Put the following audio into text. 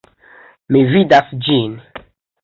Mi vidas ĝin!